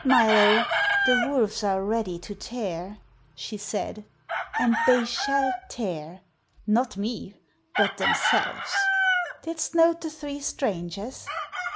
"Milo, the wolves are ready to tear," she said. "And they shall tear not me, but themselves! Didst note the three strangers?